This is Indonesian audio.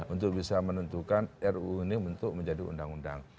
untuk bisa menentukan ruu ini untuk menjadi undang undang